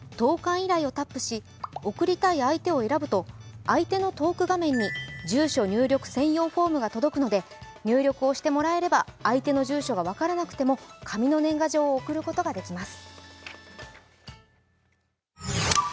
依頼をタップし、送りたい相手を選ぶと相手のトーク画面に住所入力専用フォームが届くので入力してもらえれば相手の住所が分からなくても紙の年賀状を送ることができます。